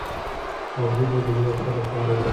عادي بودجه د څه لپاره ده؟